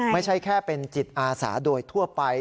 ไม่ใช่แค่เป็นจิตอาสาโดยทั่วไป